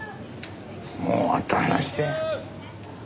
もう終わった話だよ。